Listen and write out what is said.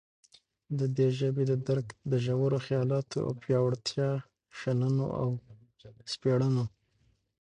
ددي ژبي ددرک دژورو خیالاتو او پیاوړو شننو او سپړنو